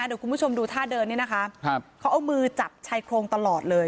เดี๋ยวคุณผู้ชมดูท่าเดินนี่นะคะครับเขาเอามือจับชายโครงตลอดเลย